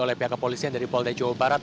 oleh pihak kepolisian dari polda jawa barat